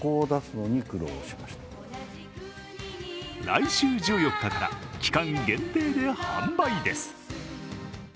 来週１４日から期間限定で販売です。